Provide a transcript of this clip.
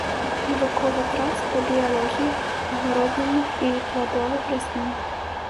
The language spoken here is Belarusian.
Навуковы працы па біялогіі агароднінных і пладовых раслін.